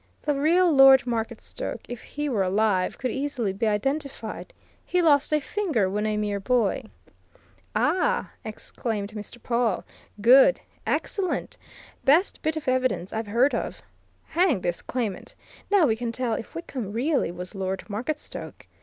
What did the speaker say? The real Lord Marketstoke, if he were alive, could easily be identified. He lost a finger when a mere boy." "Ah!" exclaimed Mr. Pawle. "Good excellent! Best bit of evidence I've heard of. Hang this claimant! Now we can tell if Wickham really was Lord Marketstoke.